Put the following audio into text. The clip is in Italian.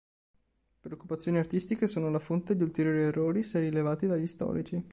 Preoccupazioni artistiche sono la fonte di ulteriori errori se rilevati dagli storici.